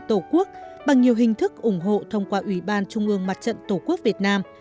tổ quốc bằng nhiều hình thức ủng hộ thông qua ủy ban trung ương mặt trận tổ quốc việt nam